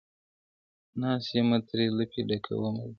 ناست یمه ترې لپې ډکومه زه ,